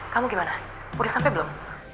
kamu gimana boleh sampai belum